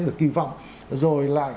được kỳ vọng rồi lại